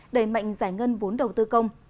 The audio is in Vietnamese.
đẩy mạnh giải ngân vốn đầu tư công